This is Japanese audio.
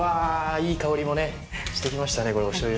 いい香りもねしてきましたねおしょうゆの。